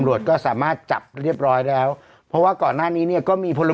วันนี้๒บาทโอเคนะเนี่ยอ่ะ